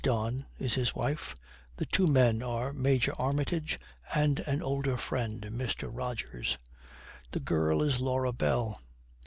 Don is his wife, the two men are Major Armitage and an older friend, Mr. Rogers. The girl is Laura Bell.